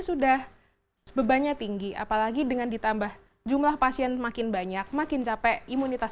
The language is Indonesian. sudah bebannya tinggi apalagi dengan ditambah jumlah pasien makin banyak makin capek imunitas